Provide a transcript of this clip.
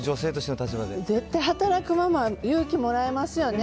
絶対働くママ、勇気もらえますよね。